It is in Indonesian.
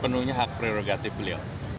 penuhnya hak prerogatif beliau